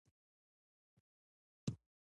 بهرني تمویلونه باید روښانه وي.